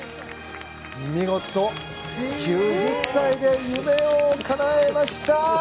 見事、９０歳で夢をかなえました！